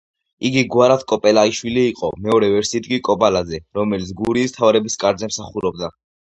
იგი გვარად კოპალეიშვილი იყო, მეორე ვერსიით კი კობალაძე, რომელიც გურიის მთავრების კარზე მსახურობდა.